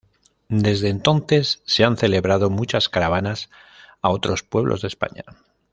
Desde entonces se han celebrado muchas "caravanas" a otros pueblos de España.